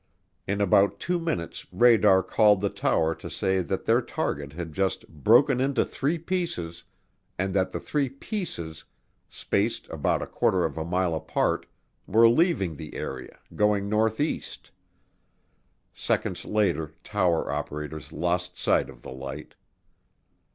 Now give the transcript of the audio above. In about two minutes radar called the tower to say that their target had just "broken into three pieces" and that the three "pieces," spaced about a quarter of a mile apart, were leaving the area, going northeast. Seconds later tower operators lost sight of the light.